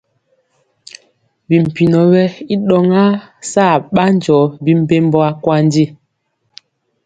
Bimpinɔ wɛ i ɗɔŋa saa ɓanjɔ bimbembɔ akwandi.